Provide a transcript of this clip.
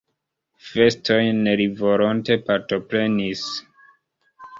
Festojn li volonte partoprenis.